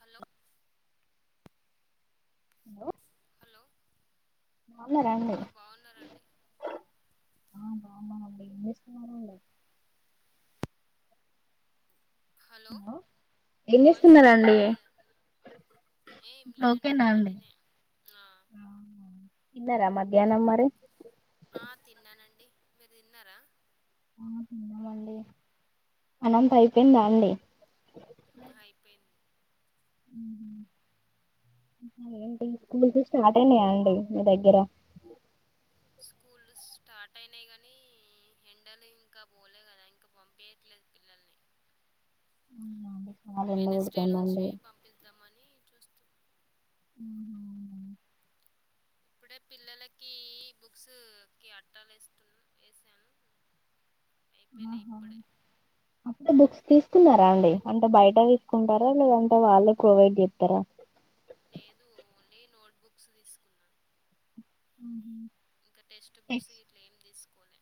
Hello hello hello బాగున్నారా అండి ఆ బావున్నారండి? ఆ బావున్నామండి ఏం చేస్తున్నారు ఇడా? హలో ఏం వాయిస్ చేస్తున్నారండి వినబడట్లేదా? ఏం లేదండి ఖాళీనే ఆ తిన్నరా మధ్యాహ్నం మరి? ఆ తిన్నానండి మీరు తిన్నారా? ఆ తిన్నమండి అనంత అయిపోయిందా అండి ఆ అయిపోయింది స్కూల్ చూసి అటెండ్ అయ్యండి మీ దగ్గర స్కూల్ స్టార్ట్ అయినాయి కానీ హెండల్ ఇంకా పోలే కదా ఇంకా పంపయట్లేదు. పిల్లల్ని డి చన్న కుడుతుందండి పిద్దామని చూస్తు ఉ అవునండి ఇప్పుడే పిల్లలకి బుక్స్ కి అట్టాలు ఏస్తున్నా వేసాను అయిపోయినాయి ఇప్పుడే అక్కడ బుక్స్ తీసుకున్నారా అండి అంటే బయట తీసుకుంటారా, లేదంటే వాళ్ళు ప్రొవైడ్ చేస్తారా? లేదు ఓన్లీ నోట్బుక్స్ తీసుకున్నాను. అ ఇంకా టెక్స్ట్ బుక్స్ ఇట్లా ఏం తీసుకోలే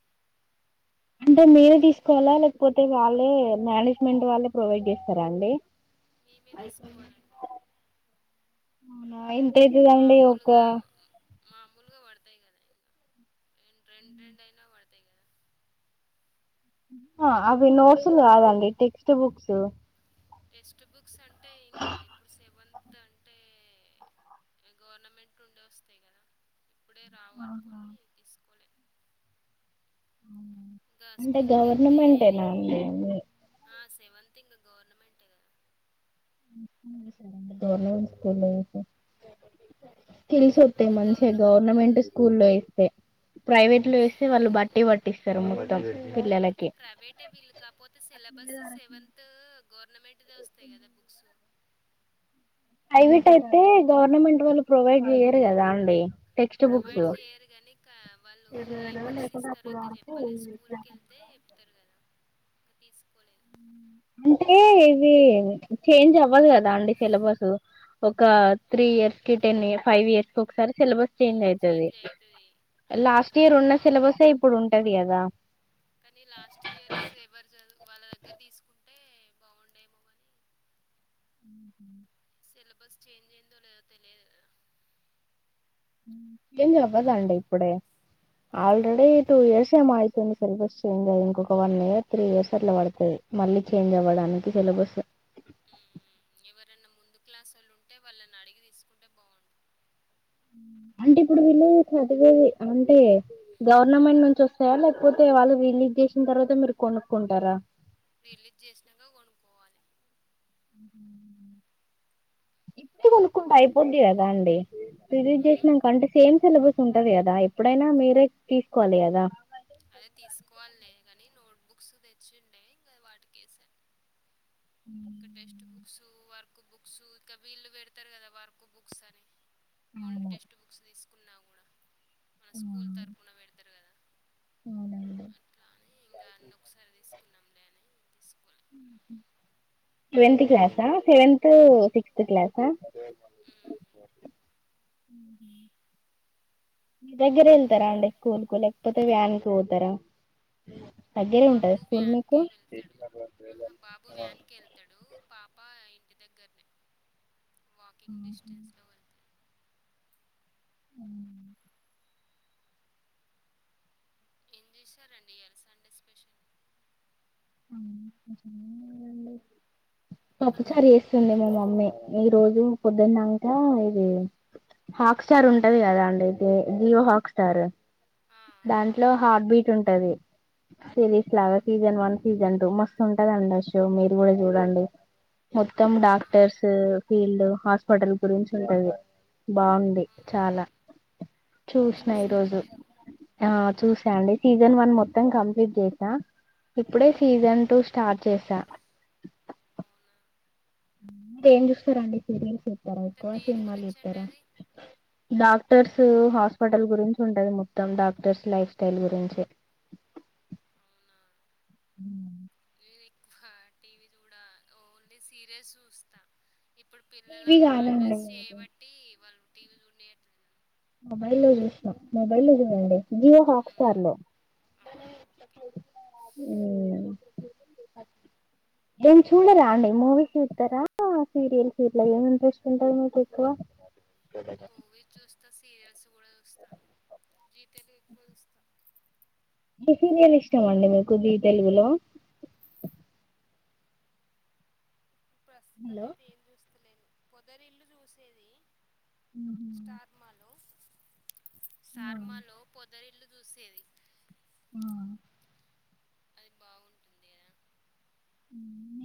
అంటే మీరే తీసుకోవాలా లేకపోతే వాళ్ళే మేనేజ్మెంట్ వాళ్ళే ప్రొవైడ్ చేస్తారా అండి? మేమే తీసుకోవాలండి అవునాయి తేజులండియొక మామూలుగా మామూలుగా పడతాయి కదా ఇంకా రం రెండు రెండు అయినా పడతాయి కదా హ అవి నోట్స్లు కాదండి టెక్స్ట్ బుక్స్ టెక్స్ట్ బుక్స్ అంటే ఇంగ ఇప్పుడు సెవెంత్ అంటే అయి గవర్నమెంట్ ఉండే వస్తాయి కదా ఇప్పుడే రావు ఆహా అనుకని తీసుకోలే గా అంటే స్కూల్ కి వెళ్తే గవర్నమెంటేనా అండి అన్ని ఆ సెవెన్ తింగ గవర్నమెంట్ గద గవర్నమెంట్ స్కూల్ తెల్సొస్తతే మంచి గా గవర్నమెంట్ స్కూల్ ఏస్తే ప్రైవేట్ లో వేస్తే వాళ్ళు బట్టి పట్టిస్తారు మొత్తం పిల్లలకి అంటే ప్రైవేటే వీళ్ళు కాకపోతే సిలబస్ సెవెంత్ గవర్నమెంట్ దే వస్తాయి కదా బుక్స్ ప్రైవట్ అయితే గవర్నమెంట్ వాళ్ళు ప్రొవైడ్ చెయరు కదా అండి టెక్స్ట్ బుక్స్ ప్రొవైడ్ చేయరు కనీ ఇంకా వాళ్ళు ఏ బుక్స్ ఇస్తారో ఇంకా చెప్పలే స్కూల్ కళ్ తే చెప్తారు కదా ఇంక తీసుకోలేదు అంటే ఇది చేంజ్ అవ్వదు కదా అండి సిలబస్ ఒక త్రీ ఇయర్స్ కి టెన్ ఫైవ్ ఇయర్స్ కి ఒకసారి సిలబస్ చేంజ్ ఉమ్ అవుతది అయితది అదే లాస్ట్ ఇంకా ఇయర్ ఉన్న సిలబసే ఇప్పుడు ఉంటది కదా కానీ లాస్ట్ ఇయర్స్ ఎవరు చదువు వాళ్ళ దగ్గర తీసుకుంటే బాగుండేమో కానీ అ సిలబస్ చేంజ్ అయిందో లేదో తెలియదు కదా చేంజ్ చూడాలి అవ్వదండి ఇప్పుడే ఆల్రెడీ టూ ఇయర్స్ ఏమో అయితుంది సెలబ్రస్ చేంజ్ అయి ఇంకొక వన్ ఇయర్ త్రీ ఇయర్స్ అట్లా పడుతాది మళ్ళీ చేంజ్ అవ్వడానికి సిలబస్ ఎవరైనా ముందు క్లాసోళ్ళు ఉంటే వాళ్ళని అడిగి తీసుకుంటే బాగుందు అంటే ఇప్పుడు వీళ్ళు చదివేది అంటే గవర్నమెంట్ నుంచి వస్త సయ లేకపోతే వాళ్ళు రిలీజ్ చేసిన తర్వాత మీరు కొనుక్కుంటారా రిలీజ్ చేసినాక కొనుక్కోవాలి ఆహ ఇప్పుడు కొనుక్కుంటా అయిపోంది కదా అండి రిలీజ్ హ్మ్. చేసినాక అంటే సేమ్ సిలబస్ ఉంటది కదా ఎప్పుడైనా మీరే తీసుకోవాలి కదా అదే తీసుకోవాలే కానీ నోట్బుక్స్ తెచ్చిండే ఇంకా వాటికేస ఉ ఇక టెక్స్ట్ బుక్స్ వర్క్ బుక్స్ ఇక వీల్లు పెడతారు కదా వర్క్ బుక్స్ అని ఓన్లీ టెక్స్ట్ బుక్స్ తీసుకున్నా కూడా మన స్కూల్ తరఫున పెడతారు కదా అట్లా అని ఇంకా అన్నీ ఒకసారి తీసుకున్నాంలే అని తీసుకోలే seventh class seventh six class ఆ అ మీ దగ్గర వెళ్తారా అండి స్కూల్ కు లేకపోతే వ్యాన్ కు పోతారా దగ్గరే ఉంటదా బాబు స్కూల్ మీకు వ్యాన్కే వెళ్తాడు ఆహా బాబు వ్యాన్ కే వెళ్తాడు పాప ఇంటి దగ్గరనే వాకింగ్ డిస్టెన్స్వెళ్ళ అ ఏం చేశారండి ఇలా సండే స్పెషల్ పాప్పు హలో! చారేస్త వస్తుంది మా మమ్మీ ఈ రోజు పొద్దున్నక ఇది హాక్ స్టార్ ఉంటది కదా అండి ఇయితే జియో హాక్స్టార్ ఆ! ఆ. దాంట్లో హార్ట్ బీట్ ఉంటది సిరీస్ లాగా ఓకే. సీజన్ వన్ సీజన్టూ మస్తు ఉంటదండి మీరు కూడా చూడండి మొత్తం అవునా డాక్టర్స్ ఫీల్డ్ హాస్పిటల్ గురించి ఉంటది బాగుంది ఆహా చాలా చూసినా చూసారా ఈరోజు మీరు ఆ చూసాండి సీజన్ వన్ మొత్తం కంప్లీట్ చేసా ఇప్పుడే ఉమ్, సీజన్ టూ స్టార్ట్ చేసా అవునా అంటే ఏం చూస్తారండి సీరియల్స్ చూస్తారా అంటే ఎక్కువ దేని సినిమాలు గురించి అండి చూస్తారా అది డాక్టర్స్ హాస్పిటల్ గురించి ఉంటది మొత్తం డాక్టర్స్ లైఫ్ స్టైల్ గురించి అవునా టీ వీ హ టీవీ చూడ ఓన్లీ సీరియల్స్ చూస్తా ఇప్పుడు పిల్లల టీవీ కాదండి హాలిడేస్ అది చేయబట్టి వాళ్ళు టీవీలు చూడనీయట్లేదు మొబైల్ లో చూసాం మొబైల్లో చూడండి జియో ఉమ్, హాట్స్టార్ లో ఆహా ఓకే ఉమ్ ఏమి చూడరా అండి మూవీస్ చూస్తారా ఆ సీరియల్ అట్లా ఏమేమి చూస్తూ ఉంటారు మీరు ఎక్కువ మూవీస్ చూస్తా సీరియల్స్ కూడా చూస్తా జీ తెలుగు ఎక్కువ చూస్తా ఈ సీరియల్ ఇష్టమండి మీకు జీ తెలుగులో ఇప్పుడు ప్రస్తుతం అయితే ఏం చూస్తలేను పొదరి ఇల్లు చూసేది ఉహ స్టార్ మాలో స్టార్ మాలో పొదరిల్లు చూసేది ఆ అది బాగుంటుంది కాదా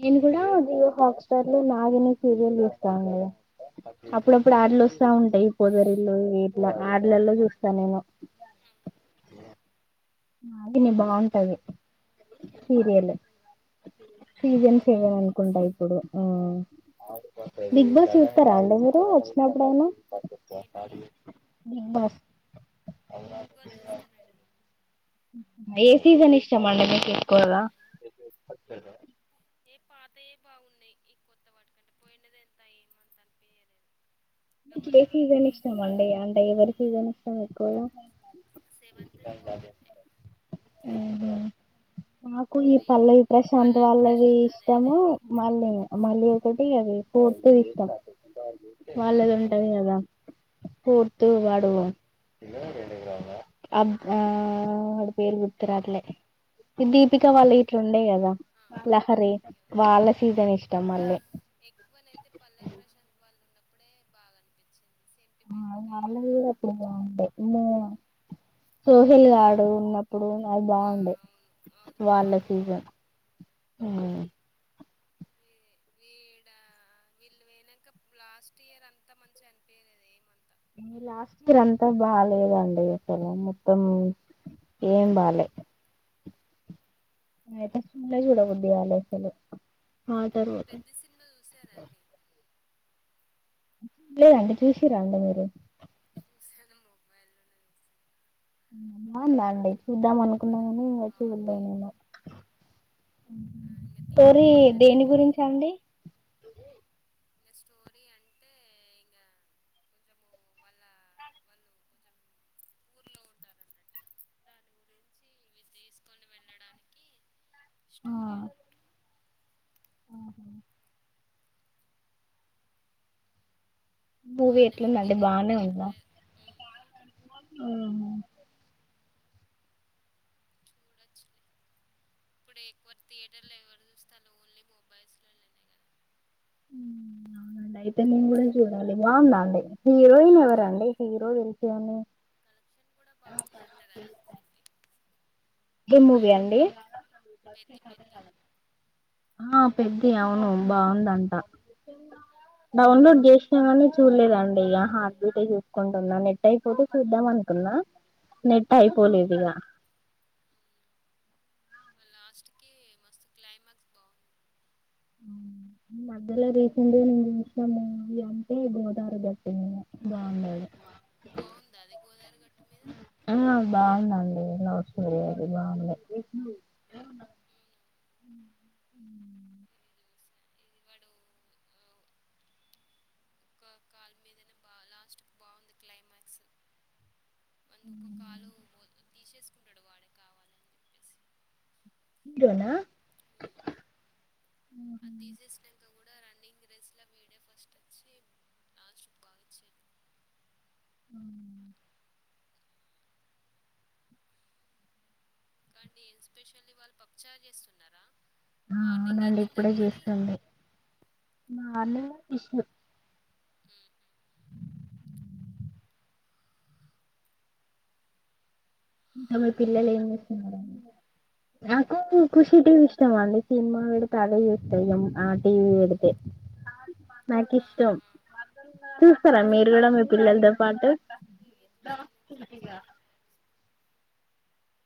నేను కూడా జియో హాట్స్టార్ లో నాగిని సీరియల్ చూస్తాను కదా అప్పుడప్పుడు ఆడ్లు కదా వస్తా ఆహా. ఉంటాయి పదరిల్లు ఇల ఆడలల్లో చూస్తా నేను ఉ నాగిని బాగుంటది సీరియలు సీజన్ సెవెన్ నాగిని అనుకుంటా ఇప్పుడు ఆ బిగ్ బాస్ చూస్తారా అండి మీరు వచ్చినప్పుడైనా ఏంటిది బిగ్ బాస్ బిగ్ బాస్ చూస్తానండి ఏ సీజన్ ఇష్టమండి మీకు ఎక్కువగా ఏ పాతయ బాగున్నాయి ఈ కొత్త వాటికంటే పోయినది ఎంత ఏమ అంత అనిపించలేదు ఇక ఏ మన సీజన్ ఇష్టమండి అంటే ఎవరి సీజన్ ఇష్టం ఎక్కువగా సెవెంత్ ది బాగుండే నాకు ఈ వీ పల్లవి వీడు ప్రశాంత్ పల్లవి వాళ్ళది ప్రశాంత్ అదే అదే ఇష్టము అదే మళ్ళీని మళ్ళీ ఒకటి అది స్ఫూర్తిది ఇష్టం వాళ్ళది ఇంకోటి ఉంటది ఏంటి కదా కూర్తు వాడు వాడు అబ్ ఆ వాడి పేరు గుర్తు రావట్లే ఈ దీపిక వాళ్ళ ఇట్లు ఉండే కదా ఆ ఆ ఆ, లహరి ఓకే వాళ్ళ ఓకే ఆ. సీజన్ ఇష్టం మళ్ళీ ఎక్కువనైతే పల్లవి ప్రశాంత్ వాళ్ళు ఉన్నప్పుడే బాగా అనిపించింది సెంటిమెంట్ కైనా కొంచెం ఉ సోహిల్ లా గడు ఉన్నప్పుడు అది ఆ బాగుండే అవును అది వాళ్ళ బాగుండే సీజన్ ఉమ్ వీ వీడ వీళ్ళు పోయినాక లాస్ట్ ఇయర్ అంతా మంచిగా అనిపయలేద ఏమంతా లాస్ట్ ఇయర్ అంతా బాలేదండి అక్కలు ఉమ్, మొత్తం అవును. ఏం బాలేదు చూ చూడ బుద్ది కాలే అసలు ఆ అతను పెద్ది సినిమా చూశారా అండి చూడలేదండి చూసి రండి మీరు చూసను మొబైల్ లోనే బాగుందండి చూద్దాం అనుకున్నం బానే గాని ఇంకా చూలేదు బాగుంది ఇంకా ఆ ఇంగ పెరి థియేటర్కి దేని వెళ్ళలేదు గురించండి ఇక స్టోరీ అంటే ఇకా వాళ్ళ వాళ్ళ ఊర్లో ఉంటారన్నట్టు దాని. ఇవి తీసుకొని వెళ్ళడానికి స్టోరీ అన్నట్టు ఆహ మూవీ బానే ఉంది ఎట్లుందండి పర్లేదు హుమ్ హుమ్ చూడచ్చులే ఇప్పుడు ఎక్కువ థియేటర్లు ఎవరు చూస్తారు ఓన్లీ మొబైల్స్ లోనే అవునండి అయితే నేను కూడా చూడాలి బాగుంద అండి ఆ హీరోయిన్ ఎవరండి బాగుందండి హీరో [unintelligible] కలెక్షన్ కూడా బాగుందంట కదా పెద్ది ఏ మూవీ బయట అండి టాక్ పెద్ది పెద్ది ఆ పెద్ది అవును బాగుందంట డౌన్లోడ్ చేసినాగానీ చూడలేదండి ఇక హ [unintelligible] చూసుకుంటున్న నెట్ నెట్ అయిపోతే ఆ! ఓ చూద్దాం అనుకున్నా నెట్ అయిపోలేదు ఇగ లాస్ట్ కి మస్తు క్లైమాక్స్ బాగుంది హుమ్ మధ్యలో రీసెంట్ గా [unintelligible] [unintelligible] బాగుందా అది గోదారి గట్టు మీద? ఆ బాగుందండి లవ్ స్టొరీ అది బాగుంది అవునా! వాడు హు ఒక కాల్ మీదనే బా లాస్ట్ క్ బాగుంది క్లైమాక్స్ వాంది ఒక కాలు తీసేసుకుంటాడు వాడే కావాలని చెప్పేసి ఇదేనా హ్మ్. అది తీసేస్ నాంక కూడా రన్నింగ్ ర్రేస్లా వీడే ఫస్ట్ వచ్చి లాస్ట్ కు బాగ్ ఇచ్చిర్రు హుమ్ ఇంకా ఏం స్పెషల్లీ వాళ్ళ పప్పుచార్ చేస్తున్నారా ఆ మార్నింగ్ ఏం అవునండి తిన్నారు మరి మార్నింగా ఫిష్ హుమ్ హు మీ పిల్లలు ఏం చేస్తున్నారండి నాకు ఖుషి టీవీ ఇష్టమా అండి సినిమా పెడితే అదే చూస్తా ఇగ ఆ టీవీ పెడితే నాకు ఇష్టం ఆహా! చూస్తారా మీరు కూడా మీ పిల్లలతో పాటు టీవి చూస్తానుంచి చాన ఎక్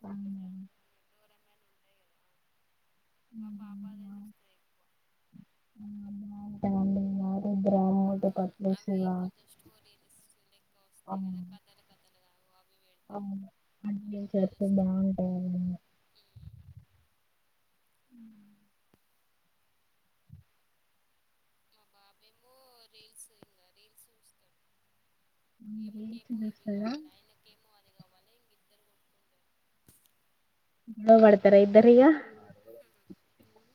హుమ్ డొరమన్ ఉంటది కదా మా పాప అదే చూస్తది ఎక్కువ హుమ్ [unintelligible] ఆ అవి కొంచెం స్టోరీలిస్ లెక్క వస్తాయి కదా కథలు కథలుగా అవి బెడ్ అవును అవి [unintelligible] బాగుంటాయి హుమ్ హుమ్ మా బాబ ఏమో రీల్స్ ఇంకా రీల్స్ చూస్తాడు రీల్స్ ఇమెకేమో ఇవి చూస్తారా కావాలా ఆయనకేమో అది కావాలా ఇంక ఇద్దరు కోట్ నవబడతారా ఇద్దరిగ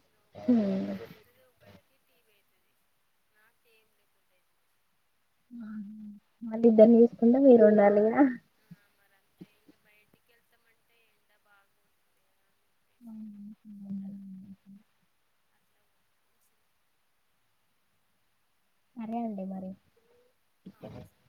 ఊ ఒకరికి మొబైల్ ఐతది ఒకరికి తీబి ఐతది నా కేం లేవ్ ఆ మళ్ళీ ఇద్దరిని చూసుకుంటా మీరు ఉండాలిగా ఆ మరి అంతే ఇంగ బయటికి వెళ్తామంటే ఎండ బాగు ఆహ ఉండడానికి అట్లా ఉంచిన సరే అండీ మరి ఆ సరే